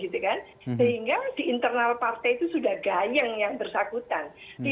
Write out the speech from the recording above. sehingga di internal partai itu sudah gayang yang bersakutan